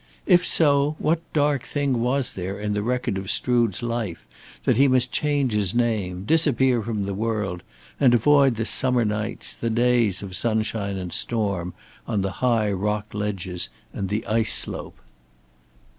If so, what dark thing was there in the record of Strood's life that he must change his name, disappear from the world, and avoid the summer nights, the days of sunshine and storm on the high rock ledges and the ice slope?